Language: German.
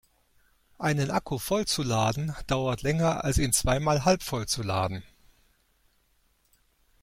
Einen Akku voll zu laden dauert länger als ihn zweimal halbvoll zu laden.